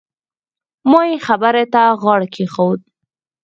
ما يې خبرې ته غاړه کېښووه.